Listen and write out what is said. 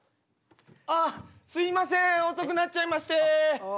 ああすいません遅くなっちゃいまして。